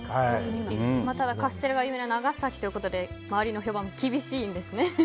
ただ、カステラが有名な長崎だということで周りの評判が厳しいんですね。